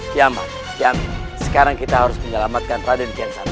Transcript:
kiaman kiamin sekarang kita harus menyelamatkan raden kiansata